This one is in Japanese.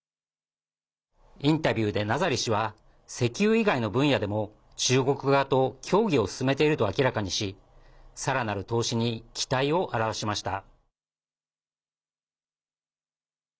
インタビューでナザリ氏は石油以外の分野でも中国側と協議を進めていると明らかにしさらなる投資に期待を表しました。